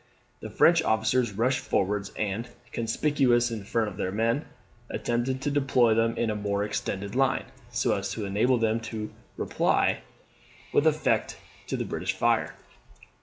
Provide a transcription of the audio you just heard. The French officers rushed forwards; and, conspicuous in front of their men, attempted to deploy them into a more extended line, so as to enable them to reply with effect to the British fire.